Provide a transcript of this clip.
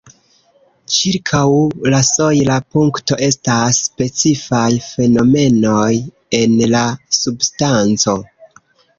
Ĉirkaŭ la sojla punkto estas specifaj fenomenoj en la substanco.